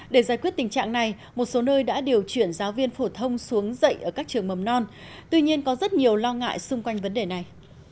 để giải quyết tình trạng này một số nơi đã điều chuyển giáo viên phổ thông xuống dạy ở các trường mầm non tuy nhiên có rất nhiều lo ngại xung quanh vấn đề này